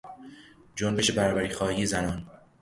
جنبش برابریخواهی زنان